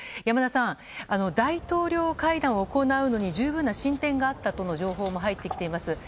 山田さん、大統領会談を行うのに十分な進展があったとの情報が入ってきています。